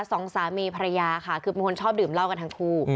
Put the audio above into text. สองสามีภรรยาค่ะคือเป็นคนชอบดื่มเหล้ากันทั้งคู่